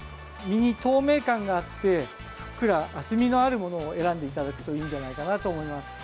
身に透明感があってふっくら厚みのあるものを選んでいただくといいんじゃないかなと思います。